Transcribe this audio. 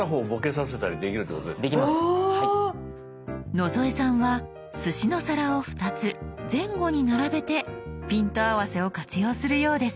野添さんはすしの皿を２つ前後に並べてピント合わせを活用するようです。